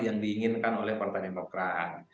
yang diinginkan oleh partai demokrat